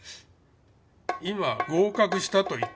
今合格したと言った？